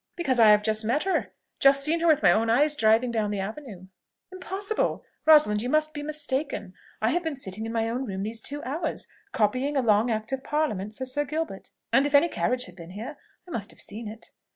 "Because I have just met her, just seen her with my own eyes driving down the avenue." "Impossible! Rosalind you must be mistaken. I have been sitting in my own room these two hours, copying a long act of parliament for Sir Gilbert; and if any carriage had been here, I must have seen it."